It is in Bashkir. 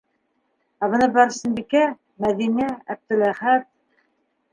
Ә бына Барсынбикә, Мәҙинә, Әптеләхәт...